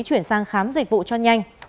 chuyển sang khám dịch vụ cho nhanh